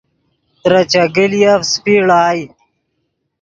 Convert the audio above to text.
ترے چیگلیف سیپی ڑائے